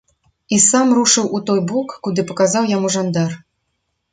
І сам рушыў у той бок, куды паказаў яму жандар.